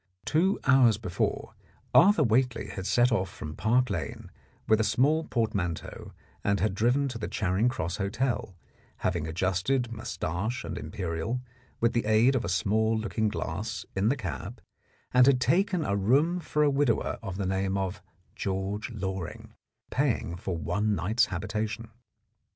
Two hours before, Arthur Whately had set off from Park Lane with a small portmanteau and had driven to the Charing Cross Hotel, having adjusted moustache and imperial with the aid of a small looking glass in the cab, and had taken a room for a widower of the name of George Loring, paying for one night's habitation.